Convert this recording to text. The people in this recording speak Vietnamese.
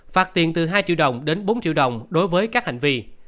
phạt tiền từ hai triệu đồng đến bốn triệu đồng đối với các hành vi